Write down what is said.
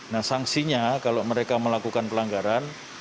nah sanksinya kalau mereka melakukan pelanggaran